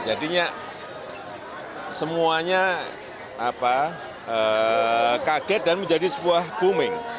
jadinya semuanya kaget dan menjadi sebuah booming